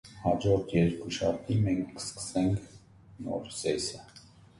That portrait has now been acquired by the National Portrait Gallery.